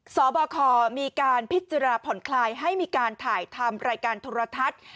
สบคมีการพิจารณาผ่อนคลายให้มีการถ่ายทำรายการโทรทัศน์